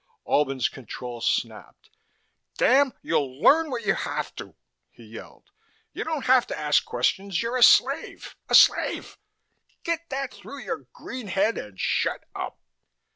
Albin's control snapped. "Damn it, you'll learn what you have to!" he yelled. "You don't have to ask questions you're a slave. A slave! Get that through your green head and shut up!"